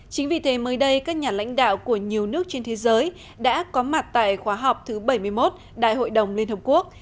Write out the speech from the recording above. chính vì thế mới đây các nhà lãnh đạo của nhiều nước trên thế giới đã có mặt tại khóa họp thứ bảy mươi một đại hội đồng liên hợp quốc